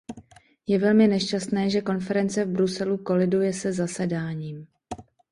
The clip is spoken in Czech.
Je velmi nešťastné, že konference v Bruselu koliduje se zasedáním.